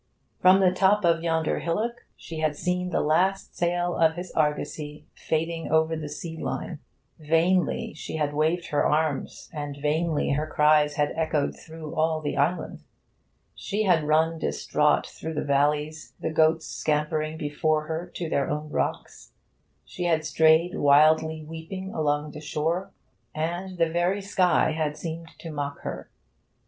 From the top of yonder hillock she had seen the last sail of his argosy fading over the sea line. Vainly she had waved her arms, and vainly her cries had echoed through all the island. She had run distraught through the valleys, the goats scampering before her to their own rocks. She had strayed, wildly weeping, along the shore, and the very sky had seemed to mock her.